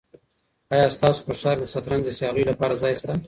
آیا ستاسو په ښار کې د شطرنج د سیالیو لپاره ځای شته؟